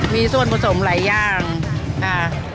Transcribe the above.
มีส่วนผสมหลายอย่างค่ะ